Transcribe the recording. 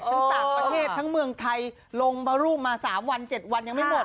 ทั้งต่างประเทศทั้งเมืองไทยลงมารูปมา๓วัน๗วันยังไม่หมด